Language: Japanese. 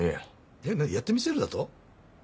えっ何やってみせるだと？